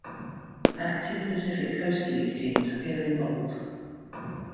Active Pacific Coast League teams appear in bold.